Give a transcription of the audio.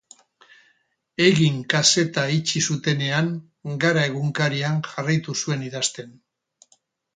Egin kazeta itxi zutenean, Gara egunkarian jarraitu zuen idazten.